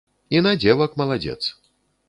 І на дзевак маладзец.